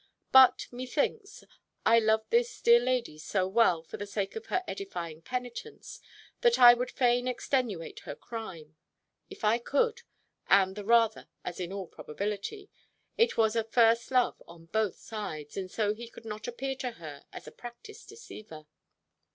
But, methinks, I love this dear lady so well for the sake of her edifying penitence, that I would fain extenuate her crime, if I could; and the rather, as in all probability, it was a first love on both sides; and so he could not appear to her as a practised deceiver.